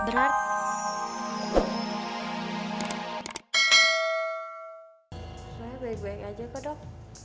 soalnya baik baik aja kok dok